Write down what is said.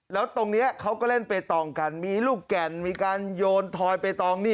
แล้วตรงนี้เขาก็เล่นไปตองกันมีลูกแก่นมีการโยนทอยเปตองนี่